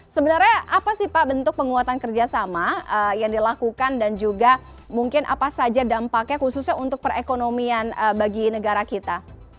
sebenarnya apa sih pak bentuk penguatan kerjasama yang dilakukan dan juga mungkin apa saja dampaknya khususnya untuk perekonomian bagi negara kita